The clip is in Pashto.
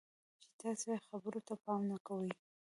چې تاسې یې خبرو ته پام نه کوئ.